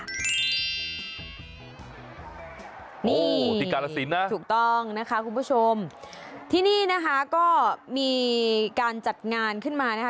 นี่ที่กาลสินนะถูกต้องนะคะคุณผู้ชมที่นี่นะคะก็มีการจัดงานขึ้นมานะคะ